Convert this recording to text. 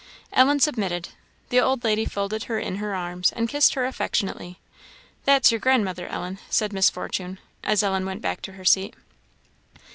Ellen submitted. The old lady folded her in her arms, and kissed her affectionately. "That's your grandmother, Ellen," said Miss Fortune, as Ellen went back to her seat.